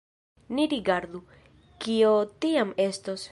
Ni rigardu, kio tiam estos.